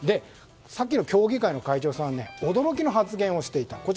さっきの協議会の会長さんは驚きの発言をしていました。